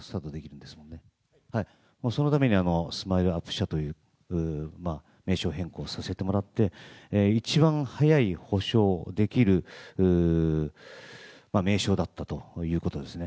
そのためにＳＭＩＬＥ−ＵＰ社という名称変更をさせてもらって、一番早い補償、できる名称だったということですね。